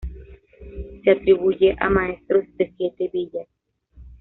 Se atribuye a maestros de Siete Villas.